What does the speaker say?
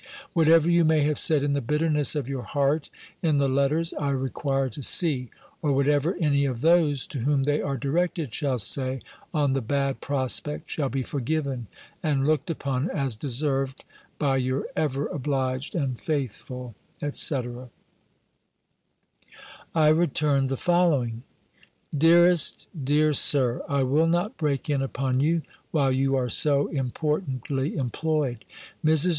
Whatever you may have said in the bitterness of your heart, in the letters I require to see, or whatever any of those, to whom they are directed, shall say, on the bad prospect, shall be forgiven, and looked upon as deserved, by your ever obliged and faithful, &c." I returned the following: "Dearest, dear Sir, "I will not break in upon you, while you are so importantly employed. Mrs.